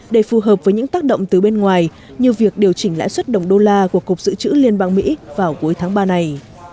để phù hợp với những tác động từ bên ngoài như việc điều chỉnh lãi suất đồng đô la của cục dự trữ liên bang mỹ vào cuối tháng ba này